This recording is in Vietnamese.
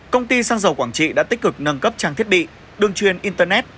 công ty sang giàu quảng trị đã tích cực nâng cấp trang thiết bị đường chuyên internet